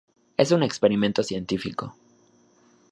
Es un experimento científico.